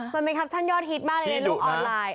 มันมั้ยครับช่างยอดฮิตมากในลูกออนไลน์